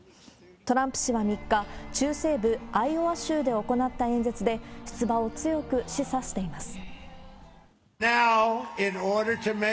トランプ氏は３日、中西部アイオワ州で行った演説で、出馬を強く示唆しています。